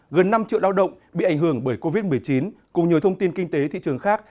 gần năm triệu lao động bị ảnh hưởng bởi covid một mươi chín cùng nhiều thông tin kinh tế thị trường khác